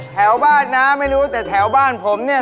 แถวบ้านน้าไม่รู้แต่แถวบ้านผมเนี่ย